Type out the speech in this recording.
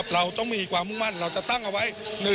เราต้องมีความมุ่งมั่นเราจะตั้งเอาไว้